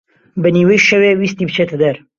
بە نیوەی شەوێ ویستی بچێتە دەر